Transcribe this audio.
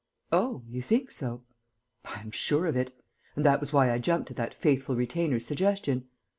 "Oh, you think so?" "I am sure of it. And that was why I jumped at that faithful retainer's suggestion.